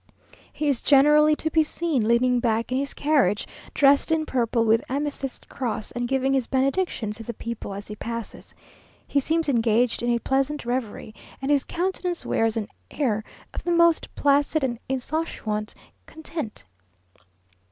He is generally to be seen leaning back in his carriage, dressed in purple, with amethyst cross, and giving his benediction to the people as he passes. He seems engaged in a pleasant revery, and his countenance wears an air of the most placid and insouciant content.